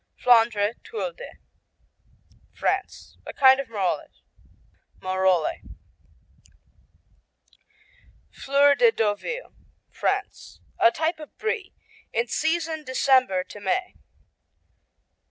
Flandre, Tuile de France A kind of Marolles. Fleur de Deauville France A type of Brie, in season December to May.